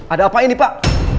ada apa ini pak